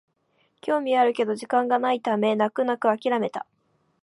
興味はあるけど時間がないため泣く泣くあきらめた